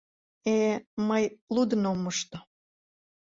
Э... мый... лудын ом мошто...